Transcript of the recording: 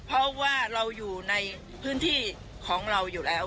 เพราะว่าเราอยู่ในพื้นที่ของเราอยู่แล้ว